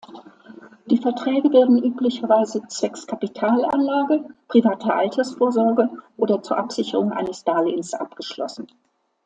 Die Verträge werden üblicherweise zwecks Kapitalanlage, privater Altersvorsorge oder zur Absicherung eines Darlehens abgeschlossen.